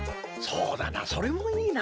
そうだなそれもいいな。